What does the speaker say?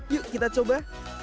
yuk kita coba